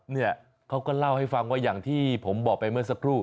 เนี่ยเขาก็เล่าให้ฟังว่าอย่างที่ผมบอกไปเมื่อสักครู่